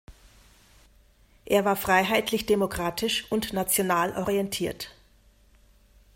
Er war freiheitlich-demokratisch und national orientiert.